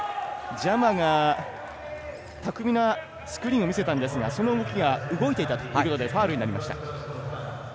ジャマが、巧みなスクリーンを見せたんですがその動きが動いていたということでファウルになりました。